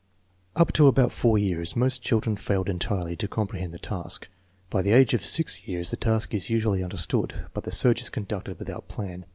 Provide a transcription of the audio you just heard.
Up to about 4 years most children failed entirely to com prehend the task. By the age of 6 years the task is usually understood, but the search is conducted without plan.